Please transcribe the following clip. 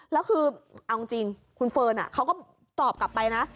แล้วคือเอาจริงคุณเฟิร์นเขาก็ตอบกลับไปนะ